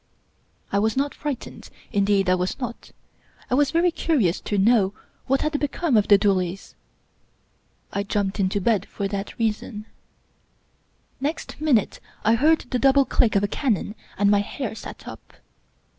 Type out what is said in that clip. I was not frightened — indeed I was not. I was very curious to know what had become of the doolies. I jumped into bed for that reason. 13 English Mystery Stories Next minute I heard the double click of a cannon and my hair sat up.